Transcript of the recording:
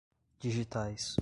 digitais